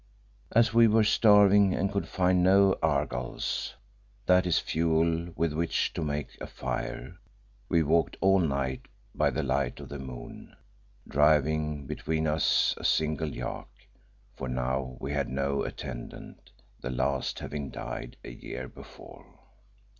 As we were starving and could find no "argals," that is fuel with which to make a fire, we walked all night by the light of the moon, driving between us a single yak for now we had no attendant, the last having died a year before.